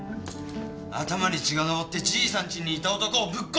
頭に血が上ってじいさんちにいた男をぶっ殺した！